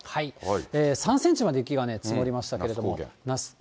３センチまで雪が積もりましたけど。